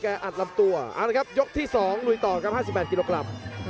อัดลำตัวเอาละครับยกที่๒ลุยต่อครับ๕๘กิโลกรัม